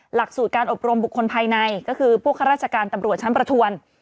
หลักสูตรการอบรมบุคคลภายในก็คือพวกข้าราชการตำรวจชั้นประทวน